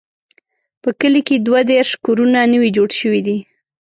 په کلي کې دوه دیرش کورونه نوي جوړ شوي دي.